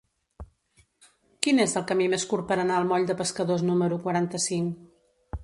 Quin és el camí més curt per anar al moll de Pescadors número quaranta-cinc?